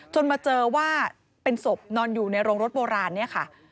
มาเจอว่าเป็นศพนอนอยู่ในโรงรถโบราณเนี่ยค่ะ